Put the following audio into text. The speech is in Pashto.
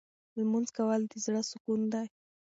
لمونځ کول د زړه سکون دی.